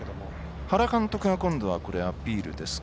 原監督が今度はアピールですね。